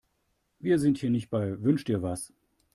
Wir sind hier nicht bei Wünsch-dir-was.